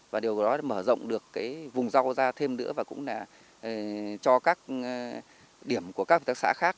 và điều đó mở rộng được cái vùng giao ra thêm nữa và cũng là cho các điểm của các hợp tác xã khác